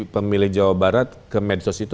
pemilih jawa barat ke medsos itu